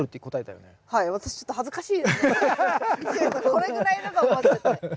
これぐらいだと思ってた。